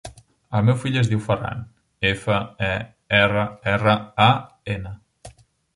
El meu fill es diu Ferran: efa, e, erra, erra, a, ena.